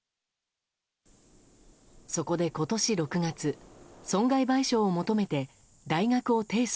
そこで今年６月損害賠償を求めて大学を提訴。